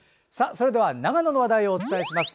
それでは長野の話題をお伝えします。